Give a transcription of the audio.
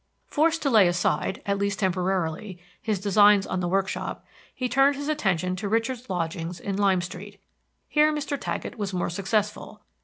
Forced to lay aside, at least temporarily, his designs on the workshop, he turned his attention to Richard's lodgings in Lime Street. Here Mr. Taggett was more successful.